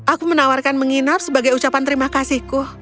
aku menawarkan menginap sebagai ucapan terima kasihku